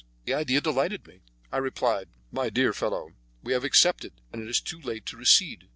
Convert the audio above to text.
The idea delighted me. I replied, "My dear fellow, we have accepted, and it is too late to recede.